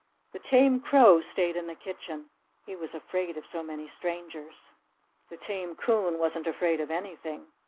The tame crow stayed in the kitchen. He was afraid of so many strangers. The tame coon wasn't afraid of anything.